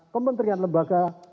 pemerintah dan lembaga